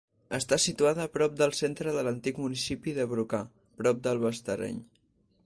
Està situada prop del centre de l'antic municipi de Brocà, prop del Bastareny.